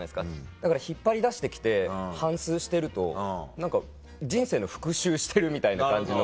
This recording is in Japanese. だから引っ張り出して来て反すうしてると何か人生の復習してるみたいな感じの。